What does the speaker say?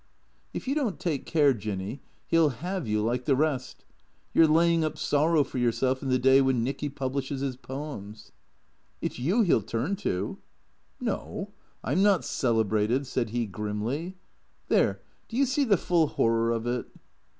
" If you don't take care. Jinny, he '11 ' have ' you like the rest. You 're laying up sorrow for yourself in the day when Nicky publishes his poems." "It's you he'll turn to." " No, I 'm not celebrated," said he grimly. " There, do you see the full horror of it